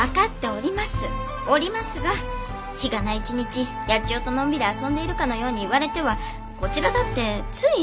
おりますが日がな一日八千代とのんびり遊んでいるかのように言われてはこちらだってつい。